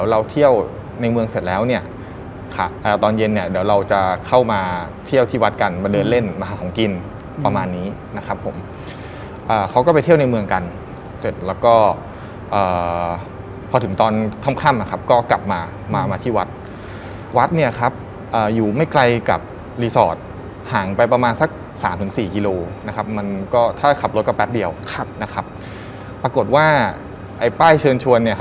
เราเที่ยวในเมืองเสร็จแล้วเนี่ยตอนเย็นเนี่ยเดี๋ยวเราจะเข้ามาเที่ยวที่วัดกันมาเดินเล่นมาหาของกินประมาณนี้นะครับผมเขาก็ไปเที่ยวในเมืองกันเสร็จแล้วก็พอถึงตอนค่ำนะครับก็กลับมามามาที่วัดวัดเนี่ยครับอยู่ไม่ไกลกับรีสอร์ทห่างไปประมาณสักสามถึงสี่กิโลนะครับมันก็ถ้าขับรถก็แป๊บเดียวครับนะครับปรากฏว่าไอ้ป้ายเชิญชวนเนี่ย